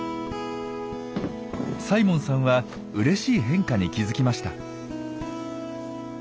サイモンさんはうれしい変化に気付きました。